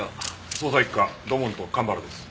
捜査一課土門と蒲原です。